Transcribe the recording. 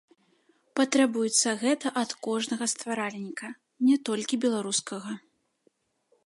Патрабуецца гэта ад кожнага стваральніка, не толькі беларускага.